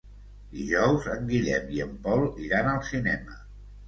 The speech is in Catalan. Dijous en Guillem i en Pol iran al cinema.